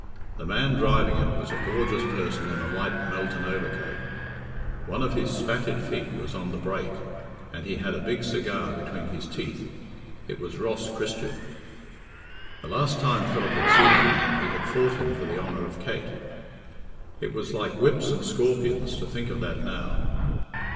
The man driving it was a gorgeous person in a light Melton overcoat. One of his spatted feet was on the break, and he had a big cigar between his teeth. It was Ross Christian. The last time Philip had seen the man he had fought him for the honour of Kate. It was like whips and scorpions to think of that now.